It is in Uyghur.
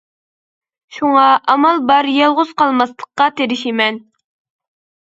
شۇڭا، ئامال بار يالغۇز قالماسلىققا تىرىشىمەن.